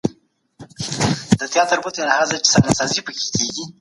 څه ډول ساه اخیستل د ارامتیا احساس راولي؟